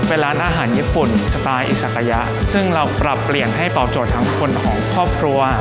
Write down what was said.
เป็นร้านอาหารญี่ปุ่นสไตล์อิสักระยะซึ่งเราปรับเปลี่ยนให้ตอบโจทย์ทั้งคนของครอบครัว